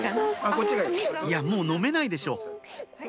もう飲めないでしょ